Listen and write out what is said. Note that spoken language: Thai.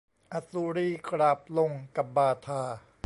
อสุรีกราบลงกับบาทา